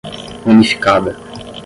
unificada